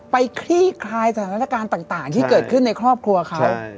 คลี่คลายสถานการณ์ต่างที่เกิดขึ้นในครอบครัวเขา